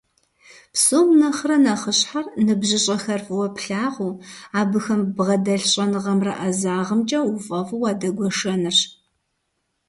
Псом нэхърэ нэхъыщхьэр ныбжьыщӀэхэр фӀыуэ плъагъуу, абыхэм ббгъэдэлъ щӀэныгъэмрэ ӀэзагъымкӀэ уфӀэфӀу уадэгуэшэнырщ.